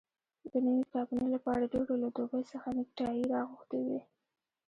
د نوې کابینې لپاره ډېرو له دوبۍ څخه نیکټایي راغوښتي وې.